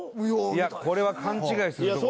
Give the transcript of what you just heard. いやこれは勘違いするぞこれ。